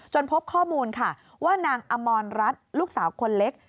พบข้อมูลค่ะว่านางอมรรัฐลูกสาวคนเล็ก